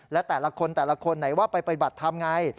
และแต่ละคนแต่ละคนไหนว่าไปปฏิบัติธรรมไง